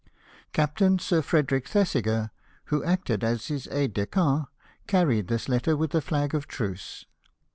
Captain Sir Frederick Thesiger, who acted as his aide de camp, carried this letter with a flag of truce.